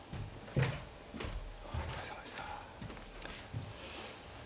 お疲れさまでした。